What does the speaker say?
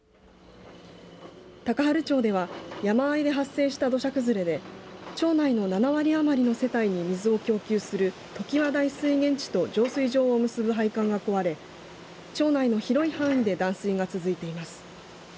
高原町では山あいで発生した土砂崩れで町内の７割余りの世帯に水を供給する常盤台水源地と浄水場を結ぶ配管が壊れ町内の広い範囲で断水が続いています。